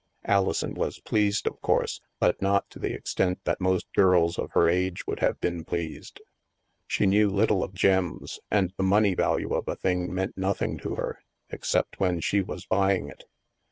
Alison was pleased, of course, but not to the ex tent that most girls of her age would have been pleased. She knew little of gems, and the money value of a thing meant nothing to her, except when she was buying it.